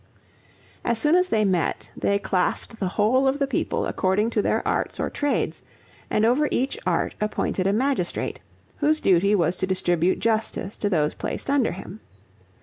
As soon as they met, they classed the whole of the people according to their arts or trades, and over each art appointed a magistrate, whose duty was to distribute justice to those placed under him.